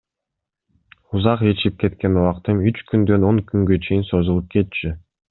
Узак ичип кеткен убактым үч күндөн он күнгө чейин созулуп кетчү.